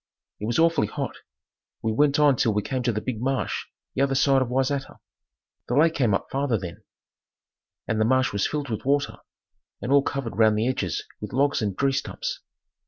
It was awfully hot. We went on till we came to the big marsh the other side of Wayzata. The lake came up farther then, and the marsh was filled with water, and all covered round the edges with logs and tree stumps.